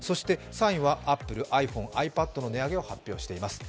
３位はアップル、ｉＰｈｏｎｅ、ｉＰａｄの値上げを発表してまいす。